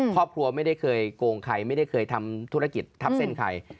ครอบครัวไม่ได้เคยโกงใครไม่ได้เคยทำธุรกิจทับเส้นใคร